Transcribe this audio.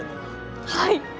はい！